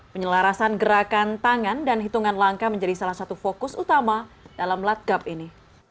penyelarasan gerakan tangan dan hitungan langkah menjadi salah satu fokus utama dalam latgab ini